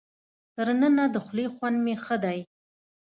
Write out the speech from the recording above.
تر ننه د خولې خوند مې ښه دی.